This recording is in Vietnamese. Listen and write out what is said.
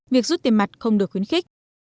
việc rút tiền mặt không được khuyến khích